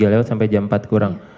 tiga lewat sampai jam empat kurang